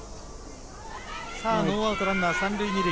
ノーアウトランナー３塁２塁。